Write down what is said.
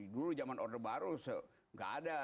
dulu jaman order baru gak ada